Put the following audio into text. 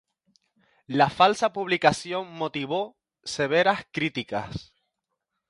La falsa publicación motivó severas críticas.